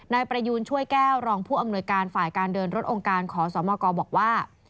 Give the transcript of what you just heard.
นายประยูนช่วยแก้วรองผู้อำนวยการฝ่ายการเดินรถองค์การขอสมกบอกว่า